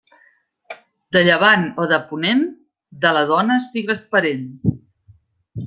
De llevant o de ponent, de la dona sigues parent.